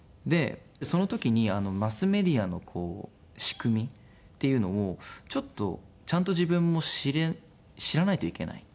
その時にマスメディアの仕組みっていうのをちょっとちゃんと自分も知らないといけない。